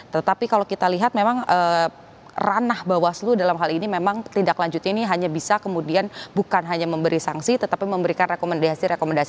tetapi kalau kita lihat memang ranah bawaslu dalam hal ini memang tindak lanjutnya ini hanya bisa kemudian bukan hanya memberi sanksi tetapi memberikan rekomendasi rekomendasi